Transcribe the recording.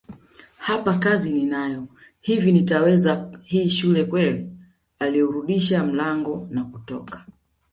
Hapa kazi ninayo hivi nitaiweza hii shule kweli Aliurudisha mlango na kutoka